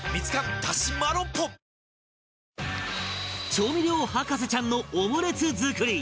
調味料博士ちゃんのオムレツ作り